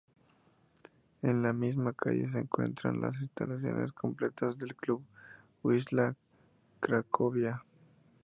En la misma calle se encuentran las instalaciones completas del Club Wisla Cracovia.